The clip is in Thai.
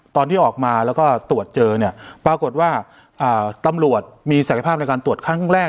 ตอนที่ออกมาแล้วก็ตรวจเจอเนี่ยปรากฏว่าตำรวจมีศักยภาพในการตรวจครั้งแรก